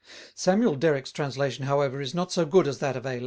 Samuel Derrick's translation, however, is not so good as that of A.